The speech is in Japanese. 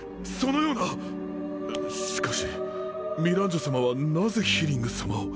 そのような。しかしミランジョ様はなぜヒリング様を。